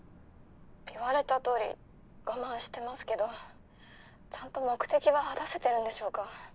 言われた通り我慢してますけどちゃんと目的は果たせてるんでしょうか。